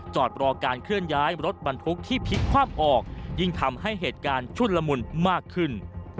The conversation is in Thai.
จอดรอการเคลื่อนย้ายรถบรรทุกที่พลิกคว่ำออกยิ่งทำให้เหตุการณ์ชุนละมุนมากขึ้น